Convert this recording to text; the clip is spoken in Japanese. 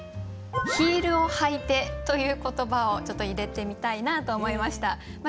「ヒールをはいて」という言葉をちょっと入れてみたいなと思いました。